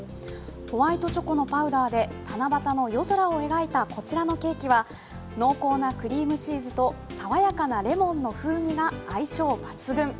ホワイトチョコのパウダーで七夕の夜空を描いたこちらのケーキは、濃厚なクリームチーズと爽やかなレモンの風味が相性抜群。